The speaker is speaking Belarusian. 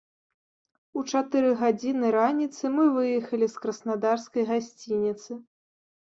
У чатыры гадзіны раніцы мы выехалі з краснадарскай гасцініцы.